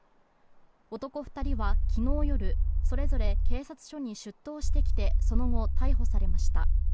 男２人は昨日夜それぞれ警察署に出頭してきてその後、逮捕されました。